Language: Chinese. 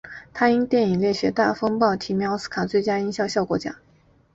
他因电影烈血大风暴提名奥斯卡最佳音响效果奖。